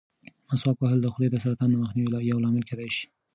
مسواک وهل د خولې د سرطان د مخنیوي یو لامل کېدای شي.